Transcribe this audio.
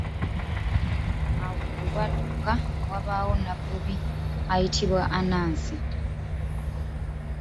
Awo olwatuuka, ne wabaawo nabbubi ayitibwa Anansi.